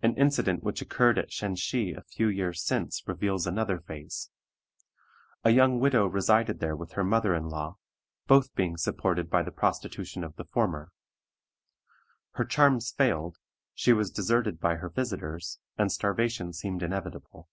An incident which occurred at Shenshee a few years since reveals another phase. A young widow resided there with her mother in law, both being supported by the prostitution of the former. Her charms failed, she was deserted by her visitors, and starvation seemed inevitable.